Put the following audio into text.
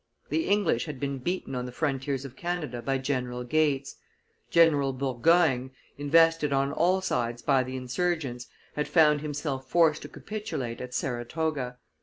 The English had been beaten on the frontiers of Canada by General Gates; General Burgoyne, invested on all sides by the insurgents, had found himself forced to capitulate at Saratoga.